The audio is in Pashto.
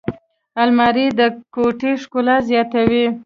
الماري د کوټې ښکلا زیاتوي